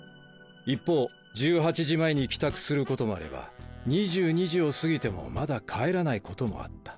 一方１８時前に帰宅することもあれば２２時を過ぎてもまだ帰らないこともあった。